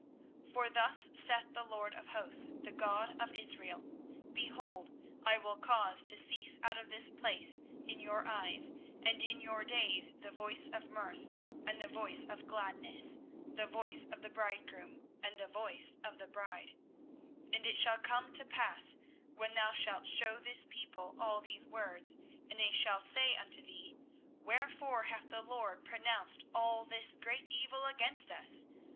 24:016:009 For thus saith the LORD of hosts, the God of Israel; Behold, I will cause to cease out of this place in your eyes, and in your days, the voice of mirth, and the voice of gladness, the voice of the bridegroom, and the voice of the bride. 24:016:010 And it shall come to pass, when thou shalt shew this people all these words, and they shall say unto thee, Wherefore hath the LORD pronounced all this great evil against us?